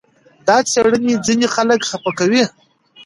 دا څېړنې ځینې خلک خپه کوي.